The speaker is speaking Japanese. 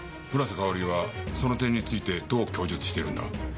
村瀬香織はその点についてどう供述しているんだ？